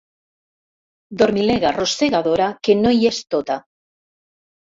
Dormilega rosegadora que no hi és tota.